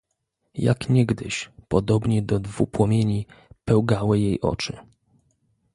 "Jak niegdyś, podobnie do dwu płomieni, pełgały jej oczy."